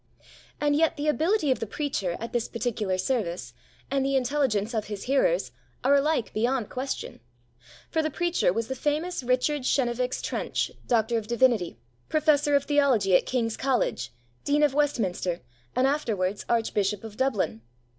And yet the ability of the preacher at this particular service, and the intelligence of his hearers, are alike beyond question. For the preacher was the famous Richard Chenevix Trench, D.D., Professor of Theology at King's College, Dean of Westminster, and afterwards Archbishop of Dublin.